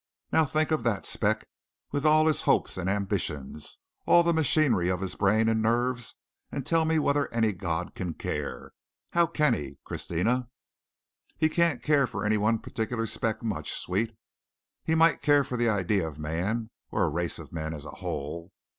Now think of that speck with all his hopes and ambitions all the machinery of his brain and nerves and tell me whether any God can care. How can He, Christina?" "He can't care for any one particular speck much, sweet. He might care for the idea of man or a race of men as a whole.